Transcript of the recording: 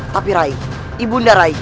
tapi rai ibu nda rai